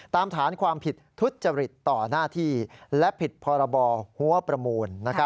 ฐานความผิดทุจริตต่อหน้าที่และผิดพรบหัวประมูล